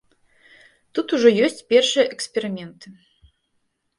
Тут ужо ёсць першыя эксперыменты.